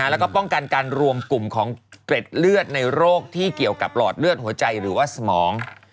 แล้วก็ป้องกันการรวมกลุ่มของเกร็ดเลือดในโรคที่เกี่ยวกับหลอดเลือดหัวใจหรือว่าสมอง